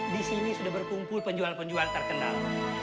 di sini sudah berkumpul penjual penjual terkenal